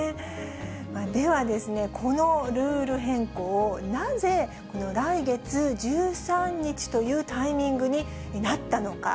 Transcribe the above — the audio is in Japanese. では、このルール変更、なぜ来月１３日というタイミングになったのか。